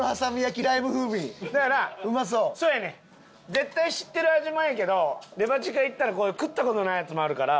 絶対知ってる味もええけどデパ地下行ったらこういう食った事ないやつもあるから。